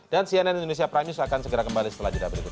dan cnn indonesia prime news akan segera kembali setelah juda berikut